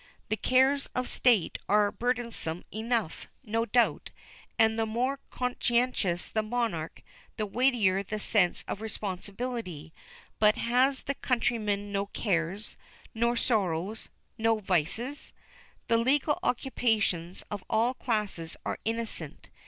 The cares of State are burdensome enough, no doubt, and the more conscientious the monarch, the weightier the sense of responsibility; but has the countryman no cares, no sorrows, no vices? The legal occupations of all classes are "innocent."